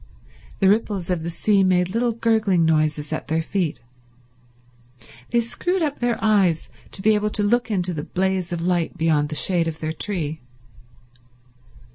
The ripples of the sea made little gurgling noises at their feet. They screwed up their eyes to be able to look into the blaze of light beyond the shade of their tree.